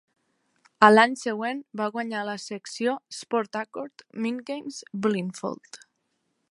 A l'any següent va guanyar la secció Sport Accord Mindgames Blindfold.